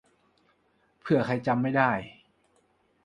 เผื่อใครจำไม่ได้